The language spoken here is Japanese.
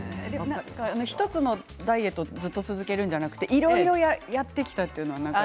１つのダイエットをずっと続けるんじゃなくいろいろやってきたというのは？